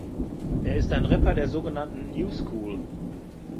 Er ist ein Rapper der so genannten New School.